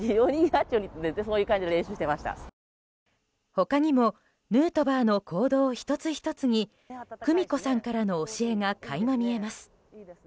他にもヌートバーの行動１つ１つに久美子さんからの教えが垣間見えます。